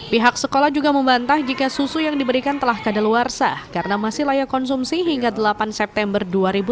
pihak sekolah juga membantah jika susu yang diberikan telah kadaluarsa karena masih layak konsumsi hingga delapan september dua ribu dua puluh